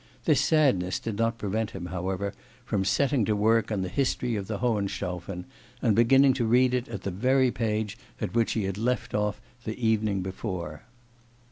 This sadness did not prevent him, however, from setting to work on the History of the Hohenstaufen, and beginning to read it at the very page at which he had left off the evening before.